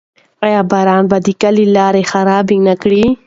آیا باران به د کلي لارې خرابې نه کړي؟